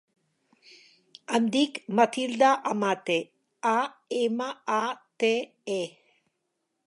Em dic Matilda Amate: a, ema, a, te, e.